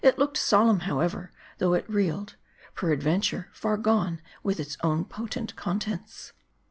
looked solemn, however, though it reeled ; peradventure, far gone with its own potent contents.